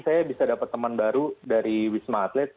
saya bisa dapat teman baru di rsdc wisma atlet